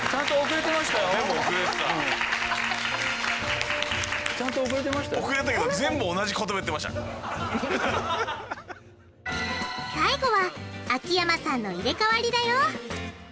遅れたけど最後は秋山さんの入れかわりだよ！